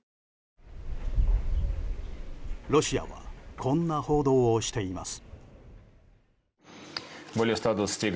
ロシアはこんな報道をしています。